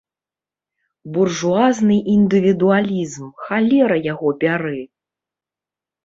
Буржуазны індывідуалізм, халера яго бяры!